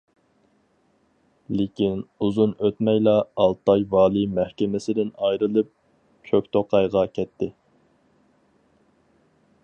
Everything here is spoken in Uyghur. لېكىن ئۇزۇن ئۆتمەيلا ئالتاي ۋالىي مەھكىمىسىدىن ئايرىلىپ، كۆكتوقايغا كەتتى.